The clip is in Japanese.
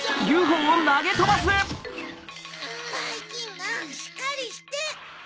ばいきんまんしっかりして！